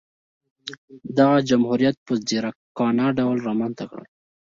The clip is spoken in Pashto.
دغه جمهوریت په ځیرکانه ډول رامنځته کړل.